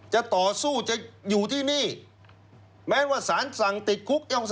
จะต่อสู้จะอยู่ที่นี่แม้ว่าสารสั่งติดคุก